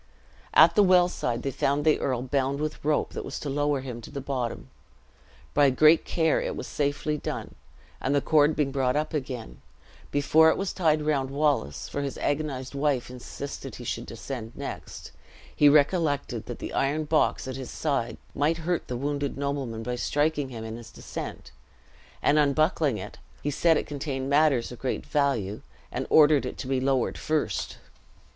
At the well side they found the earl bound with rope that was to lower him to the bottom. By great care it was safely done; and the cord being brought up again, before it was tied round Wallace (for his agonized wife insisted he should descend next), he recollected that the iron box at his side might hurt the wounded nobleman by striking him in his descent; and, unbuckling it, he said it contained matters of great value, and ordered it to be lowered first.